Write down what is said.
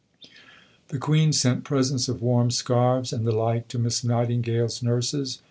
The Queen sent presents of warm scarves and the like to Miss Nightingale's nurses.